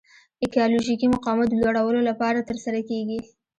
ایکالوژیکي مقاومت د لوړلولو لپاره ترسره کیږي.